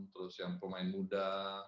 terus yang pemain muda